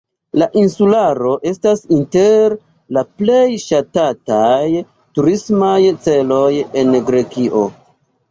La insularo estas inter la plej ŝatataj turismaj celoj en Grekio.